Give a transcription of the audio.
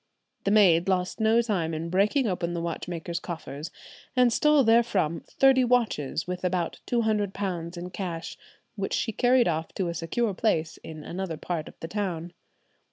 The maid lost no time in breaking open the watchmaker's coffers, and stole therefrom thirty watches, with about two hundred pounds in cash, which she carried off to a secure place in another part of the town.